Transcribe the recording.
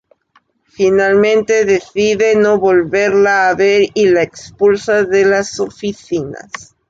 Finalmente decide no volverla a ver y la expulsa de las oficinas.